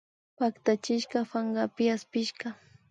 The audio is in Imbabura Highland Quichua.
Pactachishka pankapi aspishka